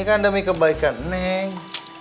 ini kan demi kebaikan ning